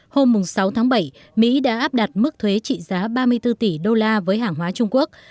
hôm sáu tháng bảy mỹ đã áp đặt mức thuế trị giá ba mươi bốn tỷ usd với hãng hóa trung quốc